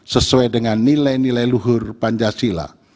sesuai dengan nilai nilai luhur pancasila